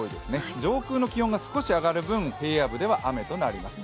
上空の気温が少し上がる分、平野部では雨となります。